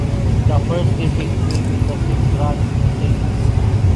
The first defeat came in the sixth round with the Saints.